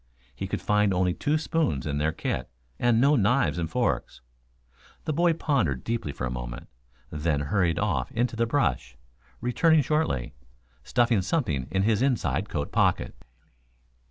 He could find only two spoons in their kit, and no knives and forks. The boy pondered deeply for a moment, then hurried off into the brush, returning shortly, stuffing something in his inside coat pocket.